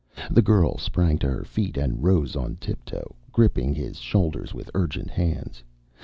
The girl sprang to her feet and rose on tiptoe, gripping his shoulders with urgent hands.